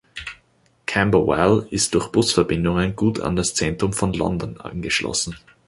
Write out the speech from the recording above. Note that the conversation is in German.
Camberwell ist durch Busverbindungen gut an das Zentrum von London angeschlossen.